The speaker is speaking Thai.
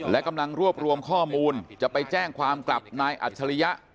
และกำลังรวบรวมข้อมูลจะไปแจ้งความกลับนายอัจฉริยะ